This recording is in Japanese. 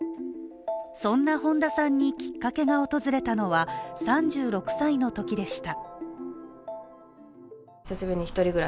そんな本多さんにきっかけが訪れたのは３６歳のときでした。